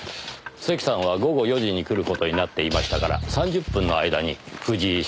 関さんは午後４時に来る事になっていましたから３０分の間に藤井社長は車を止め